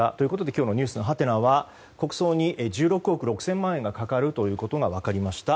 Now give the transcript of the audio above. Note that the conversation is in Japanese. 今日のｎｅｗｓのハテナは国葬に１６億６０００万円がかかるということが分かりました。